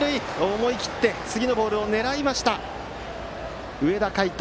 思い切って次のボールを狙いました上田海翔。